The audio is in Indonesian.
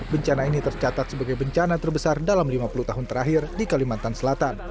bencana ini tercatat sebagai bencana terbesar dalam lima puluh tahun terakhir di kalimantan selatan